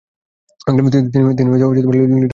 তিনি লিডার পত্রিকা প্রকাশ করেন।